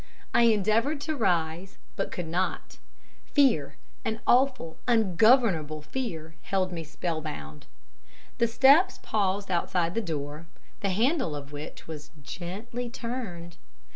I endeavoured to rise, but could not fear, an awful, ungovernable fear, held me spellbound. The steps paused outside the door, the handle of which was gently turned.